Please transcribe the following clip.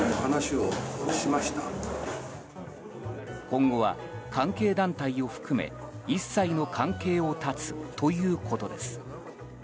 今後は関係団体を含め、一切の関係を断つということです。